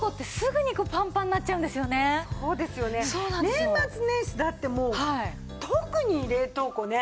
年末年始だってもう特に冷凍庫ね